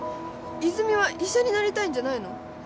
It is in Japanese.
泉は医者になりたいんじゃないの？